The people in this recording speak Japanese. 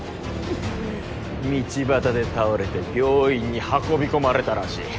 道端で倒れて病院に運びこまれたらしい。